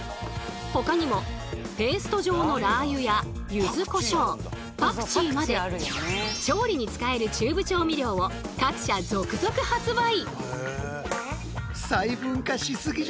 ほかにもペースト状のラー油や柚子こしょうパクチーまで調理に使えるチューブ調味料を各社続々発売！